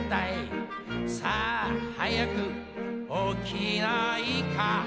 「さあ早く起きないか」